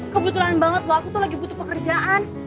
kebetulan banget loh aku tuh lagi butuh pekerjaan